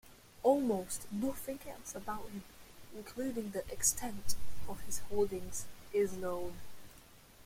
Almost nothing else about him, including the extent of his holdings, is known.